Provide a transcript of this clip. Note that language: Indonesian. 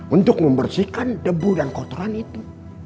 untuk membersihkan debu dan kotoran itu